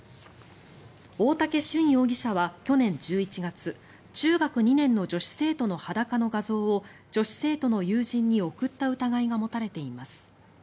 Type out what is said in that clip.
大竹隼容疑者は去年１１月中学２年の女子生徒の裸の画像を女子生徒の友人に送った疑いが持たれています。